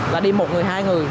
là đi một người hai người